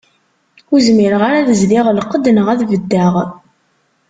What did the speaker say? Ur zmireɣ ara ad zdiɣ lqedd, naɣ ad beddeɣ.